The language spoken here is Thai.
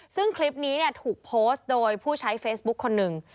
ซึ่งคลิปนี้ถูกโพสต์โดยผู้ใช้เฟซบุ๊คคนหนึ่ง